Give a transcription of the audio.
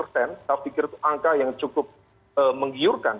saya pikir itu angka yang cukup menggiurkan